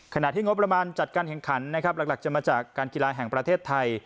ขณะที่งบประมาณจัดการแข่งขันนะครับหลักจะมาจากการกีฬาแห่งประเทศไทย